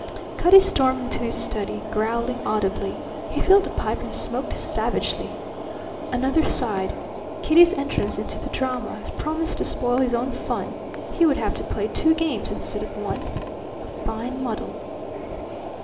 Cutty stormed into his study, growling audibly. He filled a pipe and smoked savagely. Another side, Kitty's entrance into the drama promised to spoil his own fun; he would have to play two games instead of one. A fine muddle!